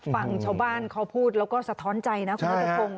ฟังชาวบ้านเขาพูดแล้วก็สะท้อนใจนะคุณนัทพงศ